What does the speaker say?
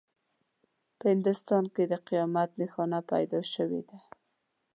په هندوستان کې د قیامت نښانه پیدا شوې ده.